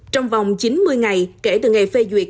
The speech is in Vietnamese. trong vòng chín mươi ngày kể từ ngày phê duyệt